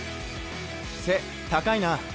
背高いな。